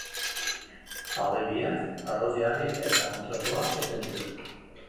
Alde biak ados jarri eta kontratua eten dute.